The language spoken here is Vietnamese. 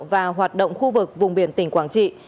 và hoạt động khu vực vùng biển tỉnh quảng trị